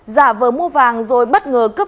giả vờ mua vàng rồi bất ngờ cướp